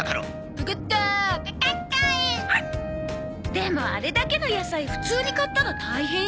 でもあれだけの野菜普通に買ったら大変よ。